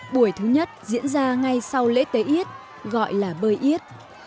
buổi thứ nhất diễn ra ngay sau lễ tế yết gọi là bơi yết